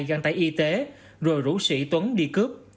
găng tay y tế rồi rủ sĩ tuấn đi cướp